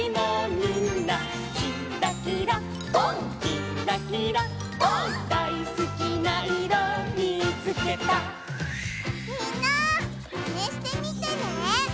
みんなマネしてみてね！